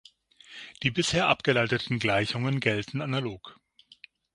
Die bisher abgeleiteten Gleichungen gelten analog.